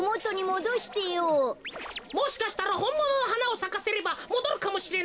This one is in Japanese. もしかしたらほんもののはなをさかせればもどるかもしれないぜ。